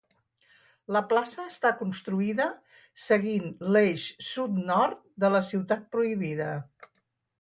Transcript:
La plaça està construïda seguint l'eix sud-nord de la Ciutat Prohibida.